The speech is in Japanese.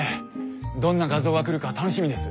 どんな画像が来るか楽しみです。